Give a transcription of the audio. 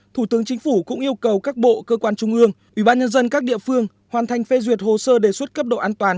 thủ tướng chính phủ cũng yêu cầu các bộ cơ quan trung ương ủy ban nhân dân các địa phương hoàn thành phê duyệt hồ sơ đề xuất cấp độ an toàn